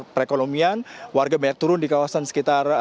perekonomian warga banyak turun di kawasan sekitar